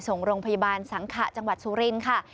ส่งโรงพยาบาลสังขะจังหวัดสุรินทร์ค่ะ